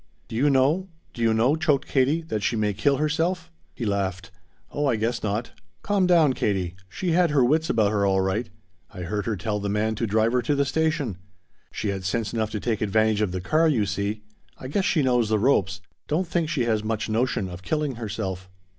"Do you know do you know," choked Katie "that she may kill herself?" He laughed. "Oh I guess not. Calm down, Katie. She had her wits about her, all right. I heard her tell the man to drive her to the station. She had sense enough to take advantage of the car, you see. I guess she knows the ropes. Don't think she has much notion of killing herself."